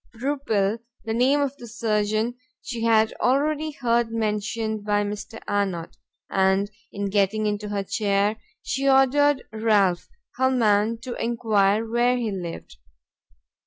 Rupil, the name of the surgeon, she had already heard mentioned by Mr. Arnott, and in getting into her chair, she ordered Ralph, her man, to enquire where he lived.